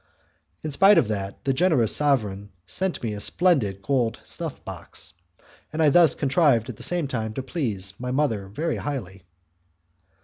In spite of that the generous sovereign sent me a splendid gold snuff box, and I thus contrived at the same time to please my mother very highly.